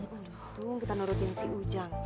tunggu kita nurutin si ujang